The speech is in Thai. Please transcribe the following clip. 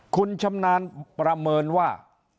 คุณชำนาญประเมินว่า